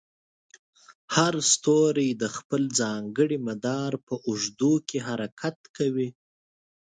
هر ستوری د خپل ځانګړي مدار په اوږدو کې حرکت کوي.